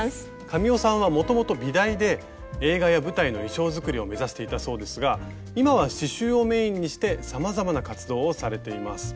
神尾さんはもともと美大で映画や舞台の衣装作りを目指していたそうですが今は刺しゅうをメインにしてさまざまな活動をされています。